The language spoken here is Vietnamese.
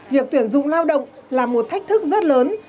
việc tuyển dụng lao động là một thách thức rất lớn